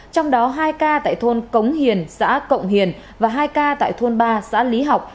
trong đó hai ca tại thôn cống hiền xã cộng hiền và hai ca tại thôn ba xã lý học